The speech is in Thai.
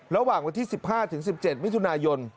ระหว่างวันที่๑๕๑๗มิถุนายน